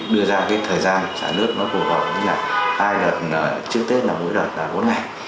đưa ra thời gian xả nước phù hợp với hai đợt trước tết là mỗi đợt là bốn ngày